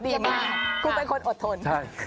ดีมากคุณเป็นคนอดทน